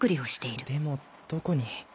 でもどこに？